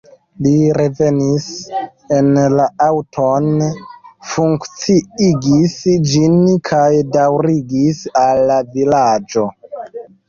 Li revenis en la aŭton, funkciigis ĝin kaj daŭrigis al la vilaĝo.